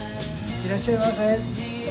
いらっしゃいませ。